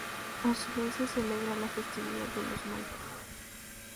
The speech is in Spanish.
A su vez se celebra la festividad de los Mayos.